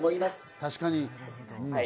確かに。